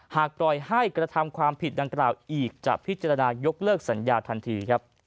หากปล่อยให้กระทำความผิดดังกล่าวอีกจะพิจารณายกเลิกสัญญาทันทีครับ